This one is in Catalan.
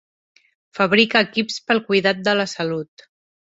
Fabrica equips per al cuidat de la salut.